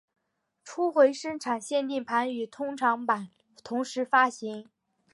初回生产限定盘与通常版同时发行。